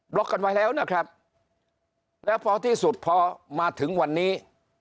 ล็อกกันไว้แล้วนะครับแล้วพอที่สุดพอมาถึงวันนี้